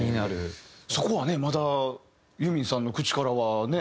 そこはねまだユーミンさんの口からはね。